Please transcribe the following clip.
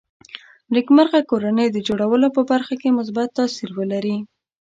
نېکمرغه کورنۍ د جوړولو په برخه کې مثبت تاثیر ولري